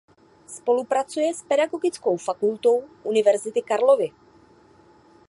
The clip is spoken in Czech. Spolupracuje s Pedagogickou fakultou Univerzity Karlovy.